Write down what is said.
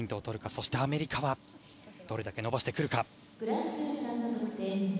そしてアメリカはどれだけ伸ばしてくるか。